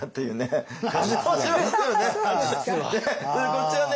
こっちはね